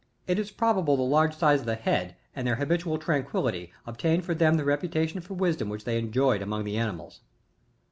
It te probable, the large size of the head, and their habitual tranquility, obtained for them the reputation for wisdom which they enjoyed among the ancients.